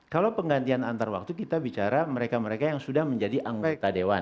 kalau penggantian antar waktu kita bicara mereka mereka yang sudah menjadi anggota dewan